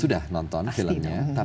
sudah nonton filmnya